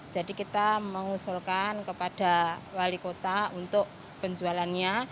jadi kita mengusulkan kepada wali kota untuk penjualannya